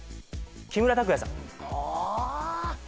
木村拓哉さんあ！